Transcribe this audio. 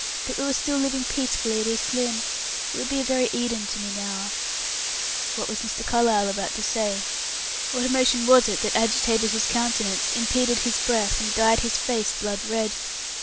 that we were still living peacefully at East Lynne. It would be a very Eden to me now." What was Mr. Carlyle about to say? What emotion was it that agitated his countenance, impeded his breath, and dyed his face blood red?